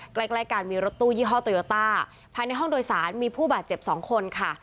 ใกล้ใกล้กันมีรถตู้ยี่ห้อโตโยต้าภายในห้องโดยสารมีผู้บาดเจ็บสองคนค่ะ